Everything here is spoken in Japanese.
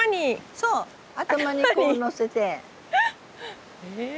そう頭にこうのせて。へ。